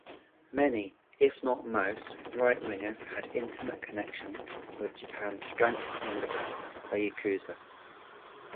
Many, if not most, right-wingers had intimate connections with Japan's gangster underground, the yakuza.